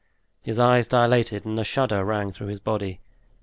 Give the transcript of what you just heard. His eyes dilated and a shudder ran through his body.